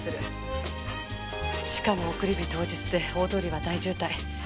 しかも送り火当日で大通りは大渋滞。